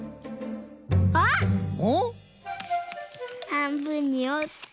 はんぶんにおって。